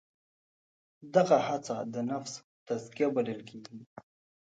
دغه هڅه د نفس تزکیه بلل کېږي.